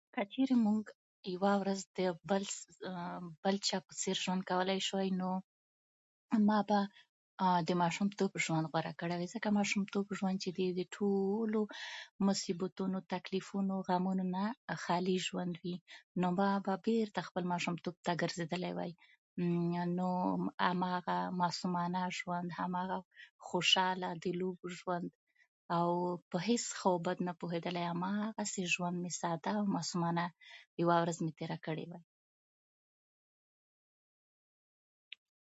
د افغانستان په لرغونو آثارو کې داسې نښې موندل کيږي ،چې دا ثابتوي دلته زرګونه کاله وړاندې هم خلکو په ډير مهارت سره د خټو او ډبرو څخه بيلا بيل لوښي جوړول